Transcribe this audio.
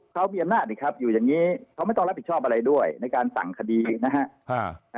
เขามีอำนาจอีกครับอยู่อย่างนี้เขาไม่ต้องรับผิดชอบอะไรด้วยในการสั่งคดีนะฮะ